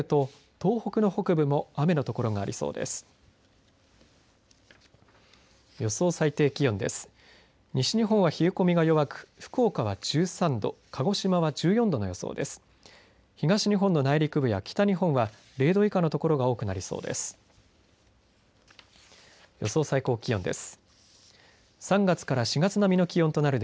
東日本の内陸部や北日本は０度以下の所が多くなりそうです。